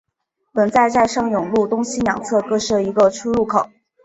本站在上永路东西两侧各设一个出入口。